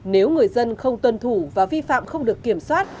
nếu người dân không tuân thủ và vi phạm không được kiểm soát